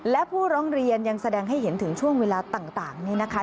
และผู้ร้องเรียนยังแสดงให้เห็นถึงช่วงเวลาต่างนี้นะคะ